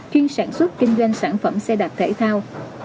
chuyên sản xuất kinh doanh sản phẩm xe đạp thể thao